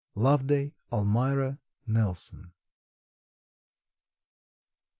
Loveday Almira Nelson.